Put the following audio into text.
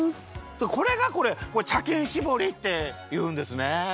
これが茶きんしぼりっていうんですね。